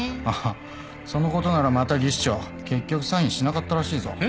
ああそのことならまた技師長結局サインしなかったらしいぞ。